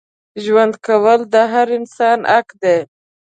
ژوند کول د هر انسان حق دی.